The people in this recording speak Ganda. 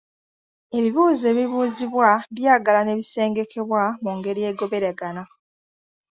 Ebibuuzo ebibuuzibwa byagala ne bisengekebwa mu ngeri egoberegana.